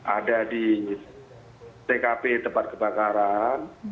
ada di tkp tempat kebakaran